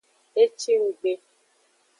E ci nggbe.